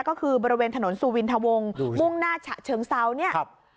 ก็คือบริเวณถนนสูวิรณถวงมุ่งหน้าเชียงเซาต์เนี่ย